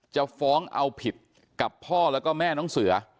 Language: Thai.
จะฟ้องเอาผิดกับพ่อแล้วก็แม่น้องเสือ